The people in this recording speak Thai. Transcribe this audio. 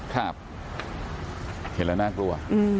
ครับเห็นแล้วน่ากลัว